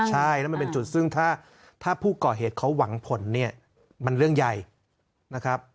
ใช่แล้วมันเป็นจุดซึ่งถ้าผู้ก่อเหตุเขาหวังผลเนี่ยมันเรื่องใหญ่นะครับ